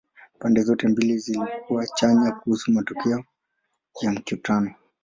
Pande zote mbili zilikuwa chanya kuhusu matokeo ya mikutano.